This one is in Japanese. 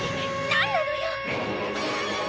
何なのよ！